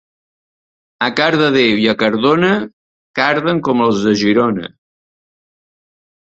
A Cardedeu i a Cardona, carden com els de Girona.